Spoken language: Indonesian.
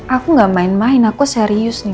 aku gak main main aku serius nih